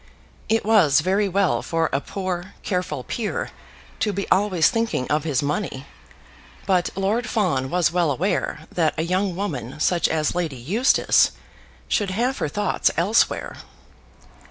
It was very well for a poor, careful peer to be always thinking of his money, but Lord Fawn was well aware that a young woman such as Lady Eustace should have her thoughts elsewhere.